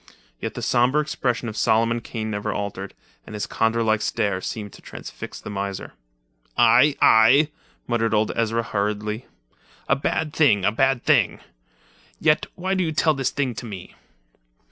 Yet the sombre expression of Solomon Kane never altered, and his condor like stare seemed to transfix the miser. "Aye, aye!" muttered old Ezra hurriedly; "a bad thing, a bad thing! Yet why do you tell this thing to me?"